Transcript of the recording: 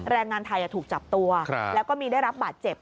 แรงงานไทยถูกจับตัวแล้วก็มีได้รับบาดเจ็บ